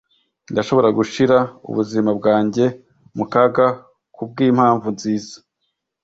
Ndashobora gushira ubuzima bwanjye mu kaga kubwimpamvu nziza.